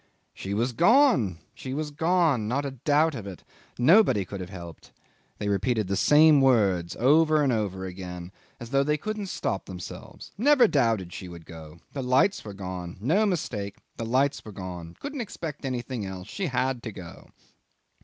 She was gone! She was gone! Not a doubt of it. Nobody could have helped. They repeated the same words over and over again as though they couldn't stop themselves. Never doubted she would go. The lights were gone. No mistake. The lights were gone. Couldn't expect anything else. She had to go.